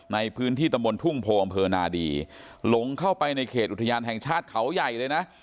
ในพื้นที่ตำบลทุ่งโพอำเภอนาดีหลงเข้าไปในเขตอุทยานแห่งชาติเขาใหญ่เลยนะ